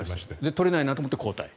取れないなと思って交代？